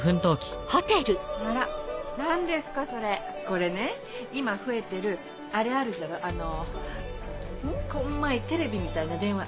これね今増えてるあれあるじゃろあのこんまいテレビみたいな電話。